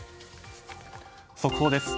速報です。